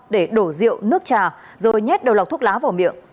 để đổ rượu nước trà rồi nhét đầu lọc thuốc lá vào miệng